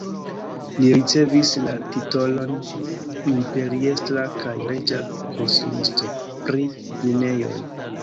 Li ricevis la titolon imperiestra kaj reĝa konsilisto pri minejoj.